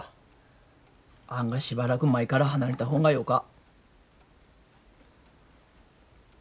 あがしばらく舞から離れた方がよか。